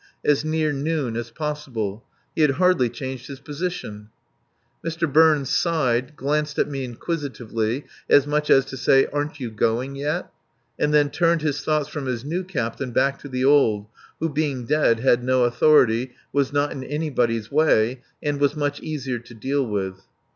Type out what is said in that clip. As near noon as possible. He had hardly changed his position. Mr. Burns sighed, glanced at me inquisitively, as much as to say, "Aren't you going yet?" and then turned his thoughts from his new captain back to the old, who, being dead, had no authority, was not in anybody's way, and was much easier to deal with.